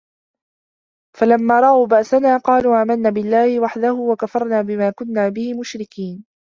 فَلَمّا رَأَوا بَأسَنا قالوا آمَنّا بِاللَّهِ وَحدَهُ وَكَفَرنا بِما كُنّا بِهِ مُشرِكينَ